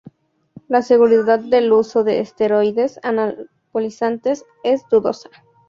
La seguridad del uso de esteroides anabolizantes es dudosa.